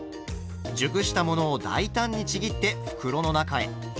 熟したものを大胆にちぎって袋の中へ。